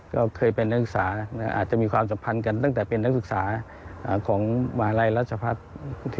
ก็เลยมาอยู่กินกับนายตู่